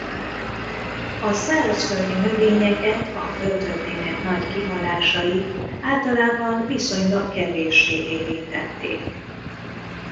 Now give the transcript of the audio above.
A szárazföldi növényeket a földtörténet nagy kihalásai általában viszonylag kevéssé érintették.